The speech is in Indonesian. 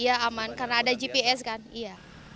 iya aman karena ada gps kan iya